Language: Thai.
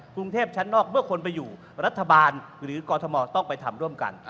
กรุงเทพชั้นนอกเมื่อคนไปอยู่รัฐบาลหรือกรทมต้องไปทำร่วมกัน